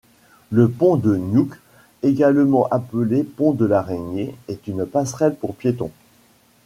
Le pont de Niouc, également appelé pont de l'araignée est une passerelle pour piétons.